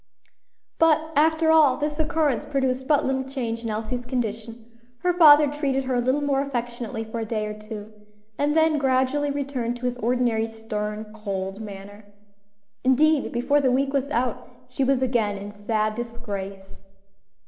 But, after all, this occurrence produced but little change in Elsie's condition; her father treated her a little more affectionately for a day or two, and then gradually returned to his ordinary stern, cold manner; indeed, before the week was out, she was again in sad disgrace.